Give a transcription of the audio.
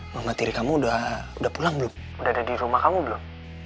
mama tiri kamu udah pulang belum udah ada di rumah kamu belum